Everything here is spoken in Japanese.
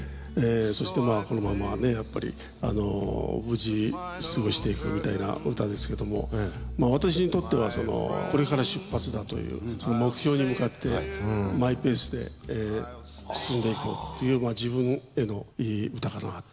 そしてまあこのままねやっぱりあの無事に過ごしていくみたいな歌ですけどもまあ私にとってはそのこれから出発だというその目標に向かってマイペースで進んでいこうっていうまあ自分へのいい歌かなって。